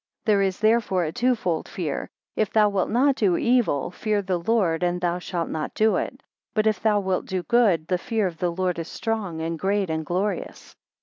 5 There is therefore a twofold fear; if thou wilt not do evil, fear the Lord and thou shalt not do it. But if thou wilt do good, the fear of the Lord is strong, and great and glorious.